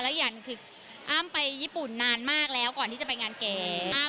และยันคืออ้ามไปญี่ปุ่นนานมากแล้วก่อนที่จะไปงานเกม